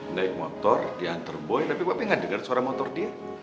naik motor diantar boy tapi kok pi gak dengar suara motor dia